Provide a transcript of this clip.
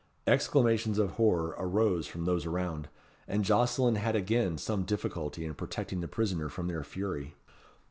Exclamations of horror arose from those around, and Jocelyn had again some difficulty in protecting the prisoner from their fury.